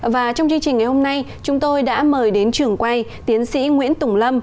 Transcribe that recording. và trong chương trình ngày hôm nay chúng tôi đã mời đến trường quay tiến sĩ nguyễn tùng lâm